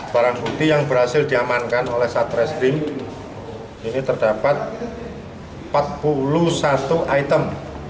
barang bukti yang berhasil diamankan oleh satreskrim ini terdapat empat puluh satu item